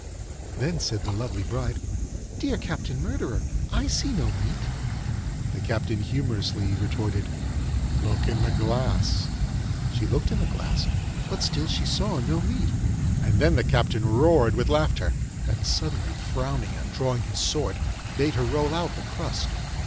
Then said the lovely bride, 'Dear Captain Murderer, I see no meat.' The Captain humorously retorted, 'Look in the glass.' She looked in the glass, but still she saw no meat, and then the Captain roared with laughter, and suddenly frowning and drawing his sword, bade her roll out the crust.